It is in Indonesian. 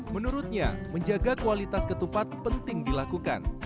menurutnya menjaga kualitas ketupat penting dilakukan